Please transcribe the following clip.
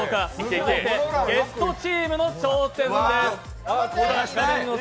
続いてゲストチームの挑戦です。